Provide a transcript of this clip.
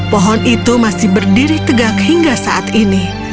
pohon itu masih berdiri tegak hingga saat ini